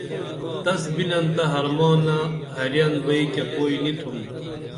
تس بِنن تہ حرمانہ حیرن بئی کیہ پُوئی نِتُھم